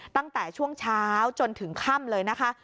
ตั้งแต่ช่วงเช้าจนถึงค่ำเลยนะคะ